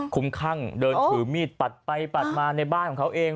คุ้มคั่งเดินถือมีดปัดไปปัดมาในบ้านของเขาเอง